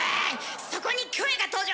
そこにキョエが登場。